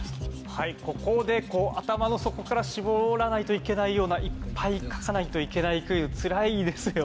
はいここで頭の底から絞らないといけないようないっぱい書かないといけないクイズ。